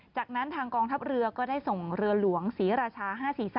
จากนั้นทางกองทัพเรือก็ได้ส่งเรือหลวงศรีราชา๕๔๓